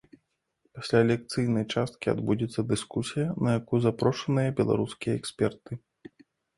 Пасля лекцыйнай часткі адбудзецца дыскусія, на якую запрошаныя беларускія эксперты.